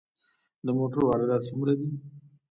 د موټرو واردات څومره دي؟